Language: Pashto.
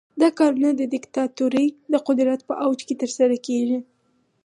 دا کارونه د دیکتاتورۍ د قدرت په اوج کې ترسره کیږي.